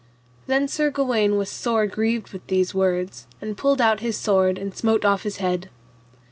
Then Sir Gawaine was sore grieved with these words, and pulled out his sword and smote off his head.